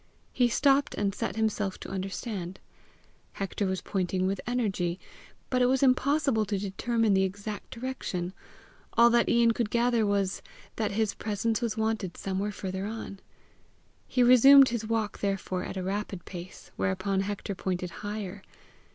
He stopped and set himself to understand. Hector was pointing with energy, but it was impossible to determine the exact direction: all that Ian could gather was, that his presence was wanted somewhere farther on. He resumed his walk therefore at a rapid pace, whereupon Hector pointed higher.